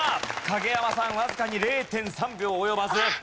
影山さんわずかに０．３秒及ばず。